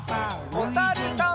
おさるさん。